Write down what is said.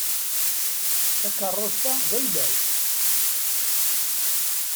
Takeṛṛust-a d ayla-w.